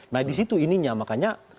nah di situ ininya makanya